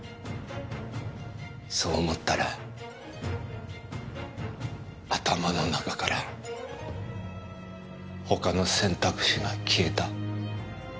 そう思ったら頭の中から他の選択肢が消えた。